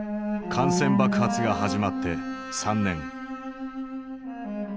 感染爆発が始まって３年。